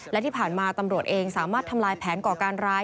และที่ผ่านมาตำรวจเองสามารถทำลายแผนก่อการร้าย